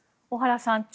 小原さん